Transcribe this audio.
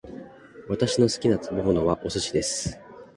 私の好きな食べ物はお寿司です